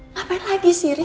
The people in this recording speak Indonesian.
ngapain lagi sih rik